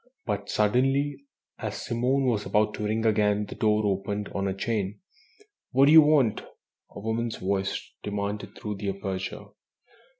But suddenly, as Simone was about to ring again, the door opened on a chain. "What do you want?" a woman's voice demanded through the aperture.